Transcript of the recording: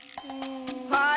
はい！